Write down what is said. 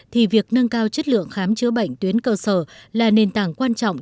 thì việc nâng cao chất lượng khám chữa bệnh tuyến cơ sở là nền tảng quan trọng